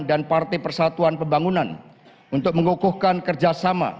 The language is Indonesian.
dan partai persatuan pembangunan untuk mengukuhkan kerjasama